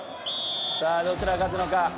さあどちらが勝つのか？